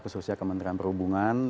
khususnya kementerian perhubungan